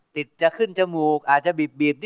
จะขึ้นจมูกอาจจะบีบ